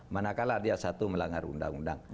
mana kalah dia satu melanggar undang undang